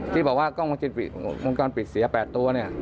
ที่บอกว่ากล้องวงจรปิดเสีย๘ตัว